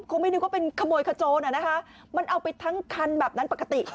ไม่นึกว่าเป็นขโมยขโจรอะนะคะมันเอาไปทั้งคันแบบนั้นปกติ